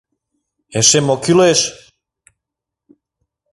— Эше мо кӱлеш!